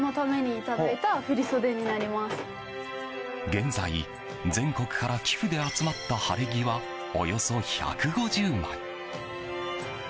現在、全国から寄付で集まった晴れ着は、およそ１５０枚。